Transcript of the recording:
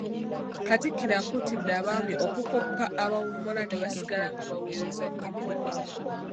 Katikkiro akuutidde abaami okukoppa abawummula ne basigala nga baweereza Nnyinimu.